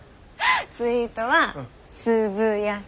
ツイートはつ・ぶ・や・き。